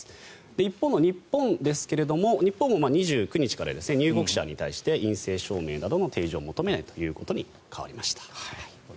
一方の日本ですけれど日本も２９日から入国者に対して陰性証明などの提示を求めないということに変わりました。